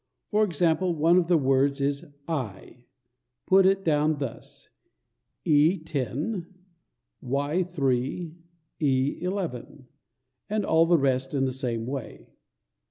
For example, one of the words is "EYE." Put it down thus: E Y E 10 3 11 and all the rest in the same way.